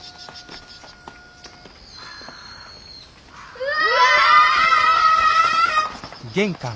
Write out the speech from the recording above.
うわ！